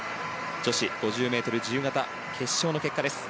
女子５０ｍ自由形決勝の結果です。